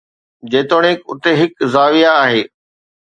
جيتوڻيڪ اتي هڪ زاويه آهي.